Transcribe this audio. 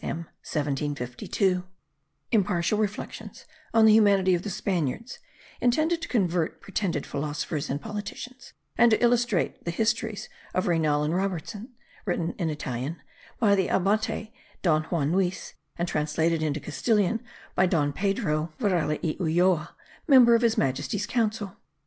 M. 1752. [Impartial reflections on the humanity of the Spaniards, intended to controvert pretended philosophers and politicians, and to illustrate the histories of Raynal and Robertson; written in Italian by the Abate Don Juan Nuix and translated into Castilian by Don Pedro Varela y Ulloa, member of His Majesty's Council.